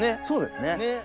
そうですね。